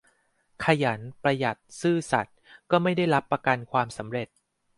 ขยัน ประหยัด ซื่อสัตย์ ก็ไม่ได้รับประกันความสำเร็จ